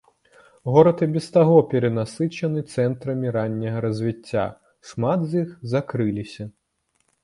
Горад і без таго перанасычаны цэнтрамі ранняга развіцця, шмат з якіх закрыліся.